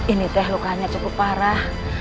ini teh lukanya cukup parah